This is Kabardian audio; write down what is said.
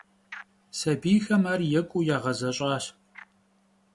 Sabiyxem ar yêk'uuu yağezeş'aş.